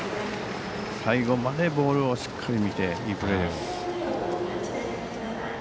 最後までボールをしっかり見ていいプレーです。